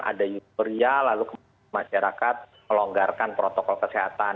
ada euforia lalu kemudian masyarakat melonggarkan protokol kesehatan